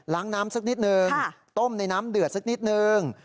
น้ำสักนิดนึงต้มในน้ำเดือดสักนิดนึง